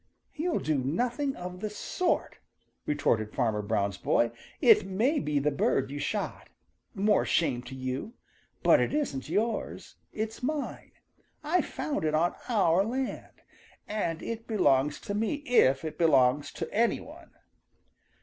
"You'll do nothing of the sort," retorted Farmer Brown's boy. "It may be the bird you shot, more shame to you, but it isn't yours; it's mine. I found it on our land, and it belongs to me if it belongs to any one."